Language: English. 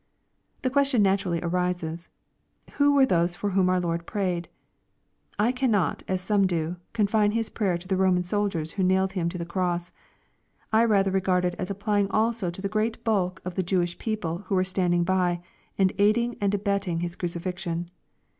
The question naturally arises, " Who were those for whom our Lord prayed ?"— I cannot, as some do, confine His prayer to the Roman soldiers who nailed Him to the cross. I rather regard it as applying also to the great bulk of the Jewish people who were standing iDy, and aiding and abetting His crucifixion.